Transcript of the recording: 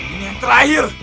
ini yang terakhir